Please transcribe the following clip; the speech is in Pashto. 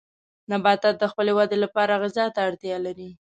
نباتات د خپلې ودې لپاره غذا ته اړتیا لري.